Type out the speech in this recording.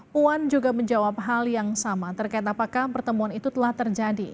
puan juga menjawab hal yang sama terkait apakah pertemuan itu telah terjadi